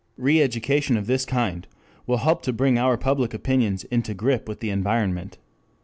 5 Re education of this kind will help to bring our public opinions into grip with the environment.